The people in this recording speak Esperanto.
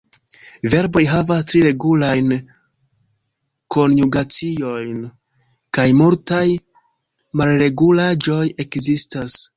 Verboj havas tri regulajn konjugaciojn, kaj multaj malregulaĵoj ekzistas.